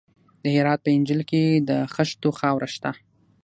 د هرات په انجیل کې د خښتو خاوره شته.